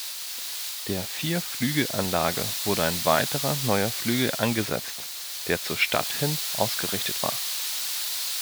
Der Vierflügelanlage wurde ein weiterer neuer Flügel angesetzt, der zur Stadt hin ausgerichtet war.